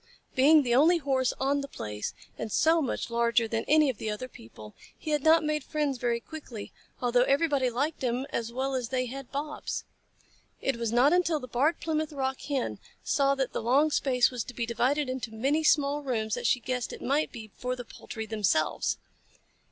Being the only Horse on the place, and so much larger than any of the other people, he had not made friends very quickly, although everybody liked him as well as they had Bobs. It was not until the Barred Plymouth Rock Hen saw that the long space was to be divided into many small rooms that she guessed it might be for the poultry themselves.